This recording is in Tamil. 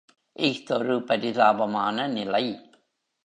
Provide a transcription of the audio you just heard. இஃதொரு பரிதாபமான நிலை.